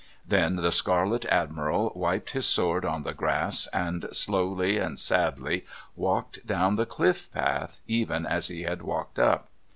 Then the Scarlet Admiral wiped his sword on the grass and, slowly and sadly, walked down the cliff path even as he had walked up.